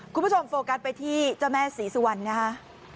คุณผู้ชมโฟกัสไปที่เจ้าแม่ศรีสุวรรณนะคะ